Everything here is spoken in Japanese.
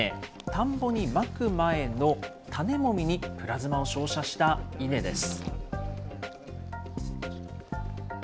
田んぼにまく前の種もみにプラズマを照射した稲です。